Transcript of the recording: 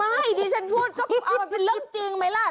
ไม่ดิฉันพูดก็มันเป็นเรื่องจริงไหมแหละ